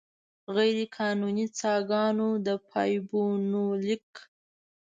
غیرقانوني څاګانو، د پایپونو لیک.